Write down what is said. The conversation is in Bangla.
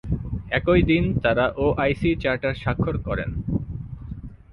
একই দিন তাঁরা ওআইসি চার্টার স্বাক্ষর করেন।